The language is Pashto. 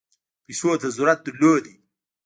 پیسو ته ضرورت درلود.